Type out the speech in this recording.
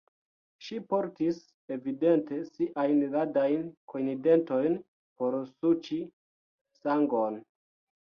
Ŝi portis, evidente, siajn ladajn kojndentojn, por suĉi sangon.